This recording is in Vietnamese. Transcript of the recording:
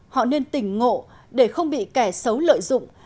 họ nên tỉnh ngộ để không bị kẻ xấu lợi dụng